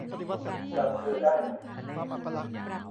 จำเธอได้ไหม ?